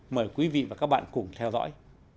mời quý vị và các bạn cùng theo dõi